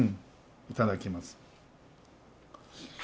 いただきます。